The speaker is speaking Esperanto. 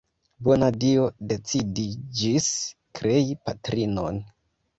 Bona Dio decidiĝis krei patrinon.